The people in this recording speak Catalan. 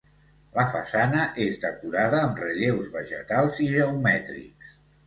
La façana és decorada amb relleus vegetals i geomètrics.